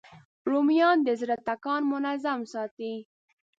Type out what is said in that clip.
رومیان د زړه ټکان منظم ساتي